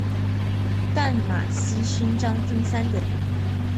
淡马锡勋章分三等。